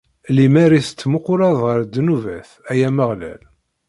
Lemmer i tettmuquleḍ ɣer ddnubat, ay Ameɣlal.